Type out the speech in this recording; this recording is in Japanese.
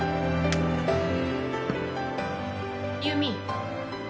優美。